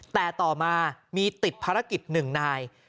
แต่ต่อมามีติดภารกิจ๑นาย